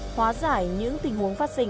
hóa giải những tình huống phát sinh